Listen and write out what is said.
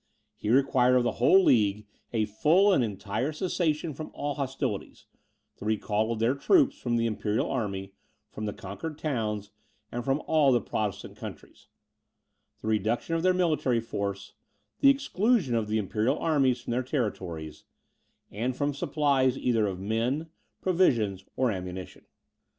He required of the whole League a full and entire cessation from all hostilities; the recall of their troops from the imperial army, from the conquered towns, and from all the Protestant countries; the reduction of their military force; the exclusion of the imperial armies from their territories, and from supplies either of men, provisions, or ammunition.